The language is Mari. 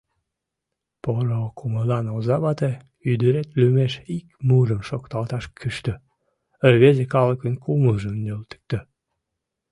Поро кумылан оза вате, ӱдырет лӱмеш ик мурым шокталташ кӱштӧ, рвезе калыкын кумылжым нӧлтыктӧ.